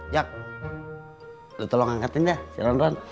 jak lo tolong angkatin dah si rondon